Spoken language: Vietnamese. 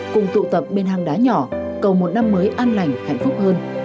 cùng tụ tập bên hang đá nhỏ cầu một năm mới an lành hạnh phúc hơn